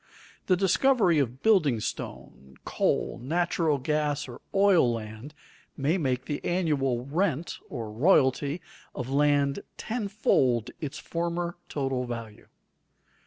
The discovery of building stone, coal, natural gas, or oil land may make the annual rent (or royalty) of land tenfold its former total value.